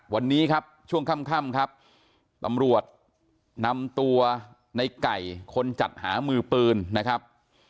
วันนี้ครับช่วงค่ำครับตำรวจนำตัวในไก่คนจัดหามือปืนนะครับ